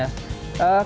betul sekali iya